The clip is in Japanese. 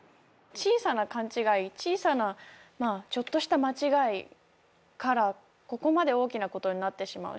小さな勘違い小さなまあちょっとした間違いからここまで大きなことになってしまう